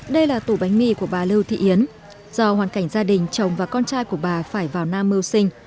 đây là tủ bánh mì của bà lưu thị yến do hoàn cảnh gia đình chồng và con trai của bà phải vào nam mưu sinh